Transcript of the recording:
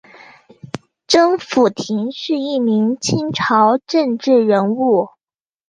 甄辅廷是一名清朝政治人物。